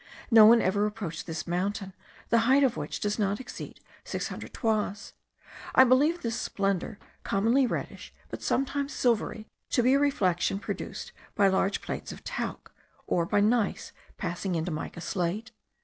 No one ever approached this mountain, the height of which does not exceed six hundred toises. I believe this splendour, commonly reddish but sometimes silvery, to be a reflection produced by large plates of talc, or by gneiss passing into mica slate.